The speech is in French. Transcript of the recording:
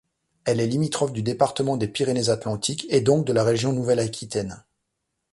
Elle est limitrophe du département des Pyrénées-Atlantiques et donc de la région Nouvelle-Aquitaine.